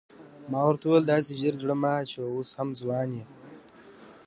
ما ورته وویل داسې ژر زړه مه اچوه اوس هم ځوان یې.